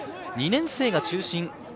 ２年生が中心。